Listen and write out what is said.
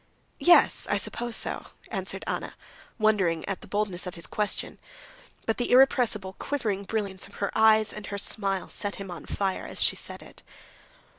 "Yes, I suppose so," answered Anna, as it were wondering at the boldness of his question; but the irrepressible, quivering brilliance of her eyes and her smile set him on fire as she said it.